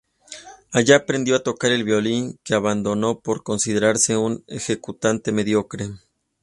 Allí aprendió a tocar el violín, que abandonó por considerarse "un ejecutante mediocre".